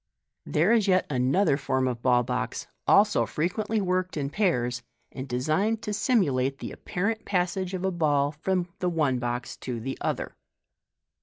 There is yet another form of ball box, also frequently worked in pairs, and designed to simulate the apparent passage of a ball from the one box to the other.